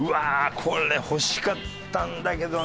これ欲しかったんだけどね